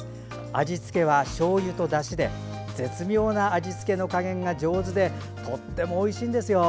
味付けは、しょうゆとだしで絶妙な味付けの加減が上手でとってもおいしいんですよ。